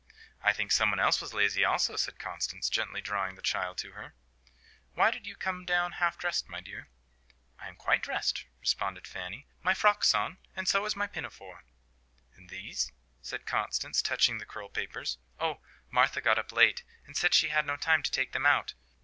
"I think some one else was lazy also," said Constance, gently drawing the child to her. "Why did you come down half dressed, my dear?" "I am quite dressed," responded Fanny. "My frock's on, and so is my pinafore." "And these?" said Constance, touching the curl papers. "Oh, Martha got up late, and said she had no time to take them out.